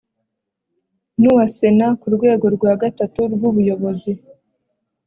n uwa Sena ku rwego rwa gatatu rwubuyobozi